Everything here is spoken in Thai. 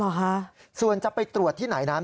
เราไปเราจะไปตรวจที่ไหนต่อ